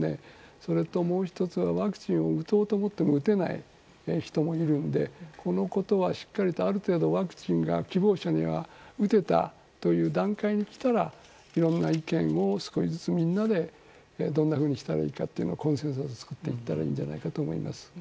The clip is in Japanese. それともう１つワクチンを打とうと思っても打てないという人もいるのでこのことはしっかりとある程度、ワクチンが希望者には打てたという段階にきたらいろんな意見を、少しずつみんなでどんなふうにしたらいいかコンセンサスを作っていったらいいんじゃないかと思います。